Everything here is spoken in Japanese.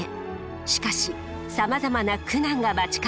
しかしさまざまな苦難が待ち構えています。